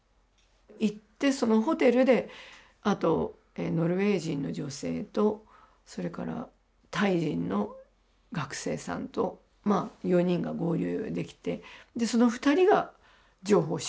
行ってそのホテルであとノルウェー人の女性とそれからタイ人の学生さんと４人が合流できてでその２人が情報収集してたんですね。